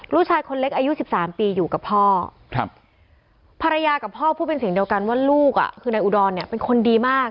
ลูกชายคนโตอายุ๒๒ปีอ่ะ